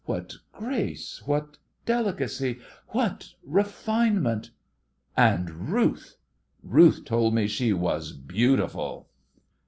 What grace what delicacy what refinement! And Ruth— Ruth told me she was beautiful!